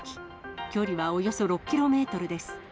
距離はおよそ６キロメートルです。